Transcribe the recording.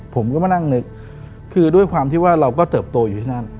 ผมก็มานั่งนึกคือด้วยความที่ว่าเราก็เติบโตอยู่ที่นั่น